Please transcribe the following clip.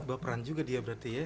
baperan juga dia berarti ya